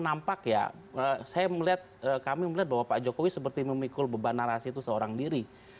nampak ya saya melihat kami melihat bahwa pak jokowi seperti memikul beban narasi itu seorang diri